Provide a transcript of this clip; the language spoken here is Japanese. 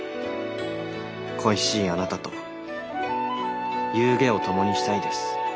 恋しいあなたと夕餉を共にしたいです。